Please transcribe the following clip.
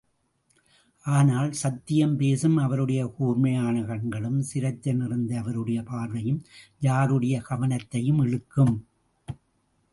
ஆனால், சத்தியம் பேசும் அவருடைய கூர்மையான கண்களும், சிரத்தை நிறைந்த அவருடைய பார்வையும் யாருடைய கவனத்தையும் இழுக்கும்.